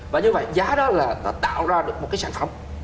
và như vậy giá đó là nó tạo ra được một cái sản phẩm